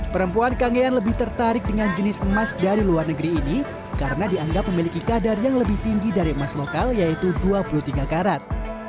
perempuan kangean lebih tertarik dengan jenis emas dari luar negeri ini karena dianggap memiliki kadar yang lebih tinggi dari emas lokal yaitu dua puluh tiga karat